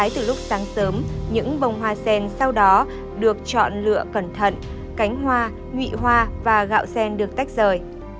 từ lúc sáng sớm những bông hoa sen sau đó được chọn lựa cẩn thận cánh hoa ngụy hoa và gạo sen được tách rời